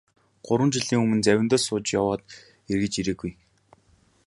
Гурван жилийн өмнө завиндаа сууж яваад эргэж ирээгүй.